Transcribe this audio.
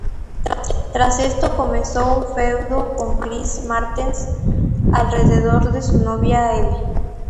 Tras esto, empezó un feudo con Chris Masters alrededor de su novia, Eve.